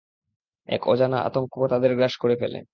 এক অজানা আতঙ্ক তাদের গ্রাস করে ফেলে।